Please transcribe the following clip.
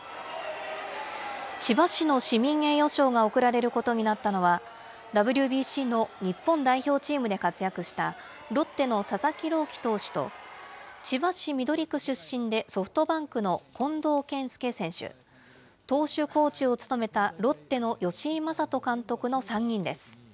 千葉市の市民栄誉賞が贈られることになったのは、ＷＢＣの日本代表チームで活躍した、ロッテの佐々木朗希投手と、千葉市緑区出身でソフトバンクの近藤健介選手、投手コーチを務めたロッテの吉井理人監督の３人です。